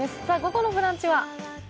さあ、午後の「ブランチ」は？